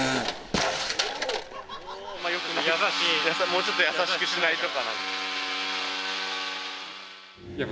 もうちょっと優しくしないとかな。